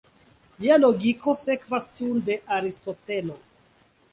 Lia logiko sekvas tiun de Aristotelo.